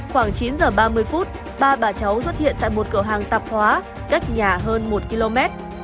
khoảng chín giờ ba mươi phút ba bà cháu xuất hiện tại một cửa hàng tạp hóa đất nhà hơn một km